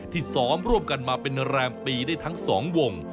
ซ้อมร่วมกันมาเป็นแรมปีได้ทั้งสองวง